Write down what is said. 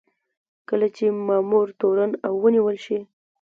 کله چې مامور تورن او ونیول شي.